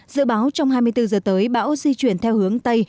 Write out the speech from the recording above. dự báo trong hai mươi bốn giờ tới bão di chuyển theo hướng tây